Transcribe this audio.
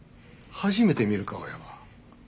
初めて見る顔やわ。